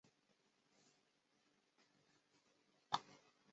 加贺昭三决定在该作中让系列首作主角马鲁斯的故事画上句号。